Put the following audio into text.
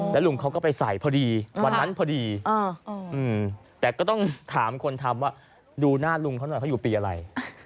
แล้วลุงเขาก็ไปใส่พอดีวันนั้นพอดีแต่ก็ต้องถามคนทำว่าดูหน้าลุงเขาหน่อยเขาอยู่ปีอะไร